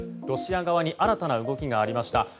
ロシア側に新たな動きがありました。